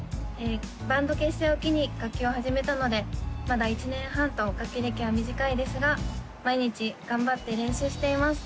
バンド結成を機に楽器を始めたのでまだ１年半と楽器歴は短いですが毎日頑張って練習しています